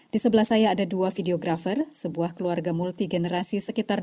di sebelah saya ada dua videographer sebuah keluarga multi generasi sekitar dua puluh orang